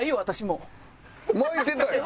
巻いてたやん！